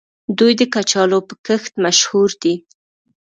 دوی د کچالو په کښت مشهور دي.